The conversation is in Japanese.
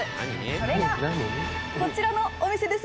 それがこちらのお店です。